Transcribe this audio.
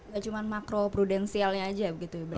gak cuma makro prudensialnya aja